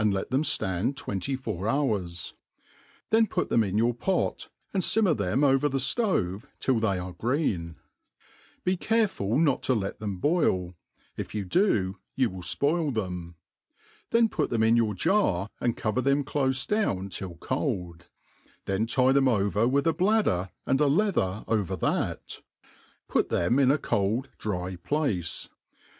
let them ftand twenty* four hours; then put them in your pot, apd Ihnmer theoi 4iver the ftove till they are green ; be careful not to let then boil, if you do, you will fpoil them; then put them in your, jar, and cover them clofe down till cold ; then tie theip ov^ with a bladder, and a leather over thai; put them in a cold dry place.